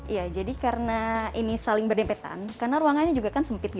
ya jadi karena ini saling berdempatan karena ruangannya juga kan sempit gitu ya